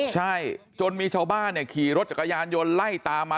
ใช่จนมีชาวบ้านขี่รถจักรยานยนต์ไล่ตามมา